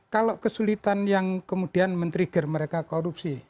kalau kesulitan yang kemudian men trigger mereka korupsi